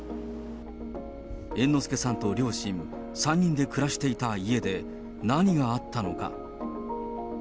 猿之助さんと両親、３人で暮らしていた家で、何があったのか。